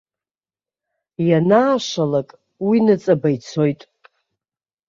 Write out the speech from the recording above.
Ианаашалак, уи ныҵаба ицоит.